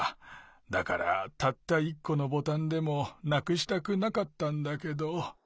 だからたった１このボタンでもなくしたくなかったんだけど。